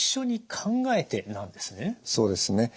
そうですね